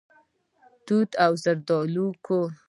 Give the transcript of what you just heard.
د توت او زردالو کور.